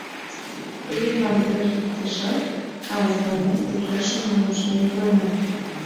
Теве мардеж лектешат, аватланат ложашым йоҥыштен пуэна.